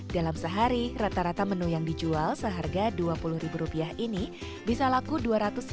dalam sehari rata rata menu yang dijual seharga dua puluh ribu rupiah ini bisa laku dua ratus hingga dua ratus ribu rupiah